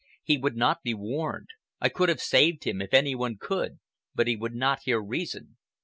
"He would not be warned. I could have saved him, if any one could, but he would not hear reason."